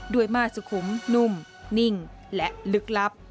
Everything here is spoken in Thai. ม่าสุขุมนุ่มนิ่งและลึกลับ